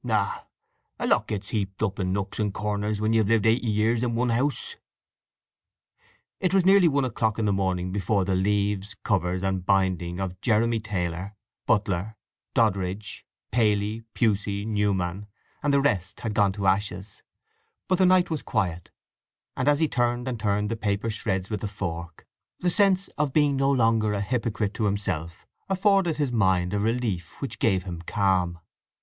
Ay; a lot gets heaped up in nooks and corners when you've lived eighty years in one house." It was nearly one o'clock in the morning before the leaves, covers, and binding of Jeremy Taylor, Butler, Doddridge, Paley, Pusey, Newman and the rest had gone to ashes, but the night was quiet, and as he turned and turned the paper shreds with the fork, the sense of being no longer a hypocrite to himself afforded his mind a relief which gave him calm.